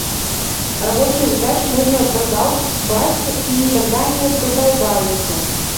Рабочие задачи можно продолбать и тогда они продолбаются.